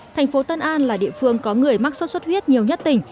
thành phố tân an là địa phương có người mắc sốt xuất huyết nhiều nhất tỉnh